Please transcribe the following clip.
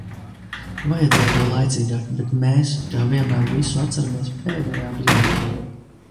Vajadzēja jau laicīgāk, bet mēs kā vienmēr visu atceramies pēdējā brīdī.